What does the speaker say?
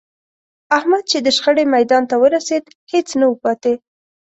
احمد چې د شخړې میدان ته ورسېد، هېڅ نه و پاتې